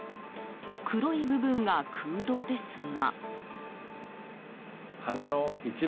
黒い部分が空洞ですが。